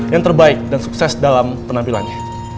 yang terbaik dan sukses dalam penampilannya